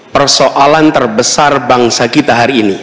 persoalan terbesar bangsa kita hari ini